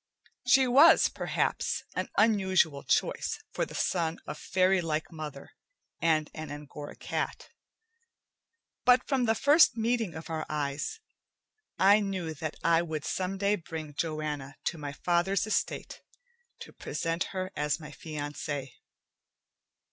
She was, perhaps, an unusual choice for the son of fairy like mother and an Angora cat. But from the first meeting of our eyes, I knew that I would someday bring Joanna to my father's estate to present her as my fiancee.